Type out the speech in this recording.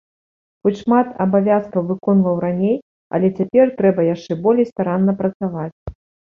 Хоць шмат абавязкаў выконваў раней, але цяпер трэба яшчэ болей старанна працаваць.